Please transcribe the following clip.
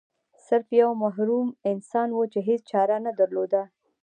سرف یو محروم انسان و چې هیڅ چاره نه درلوده.